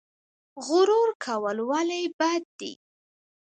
غرور کول ولې بد دي؟